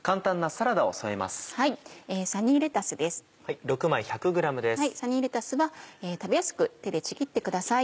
サニーレタスは食べやすく手でちぎってください。